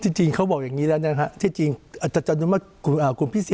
ที่จริงเขาบอกอย่างงี้แล้วนะครับที่จริงอาจารย์จานุมัติกลุ่มพิเศษ